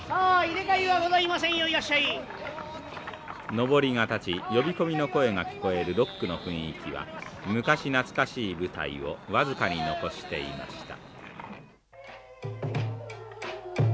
のぼりが立ち呼び込みの声が聞こえる六区の雰囲気は昔懐かしい舞台を僅かに残していました。